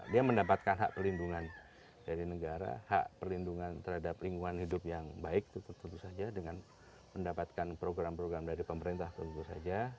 dia mendapatkan hak perlindungan dari negara hak perlindungan terhadap lingkungan hidup yang baik itu tentu saja dengan mendapatkan program program dari pemerintah tentu saja